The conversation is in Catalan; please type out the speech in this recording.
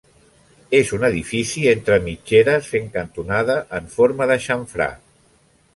És un edifici entre mitgeres fent cantonada en forma de xamfrà.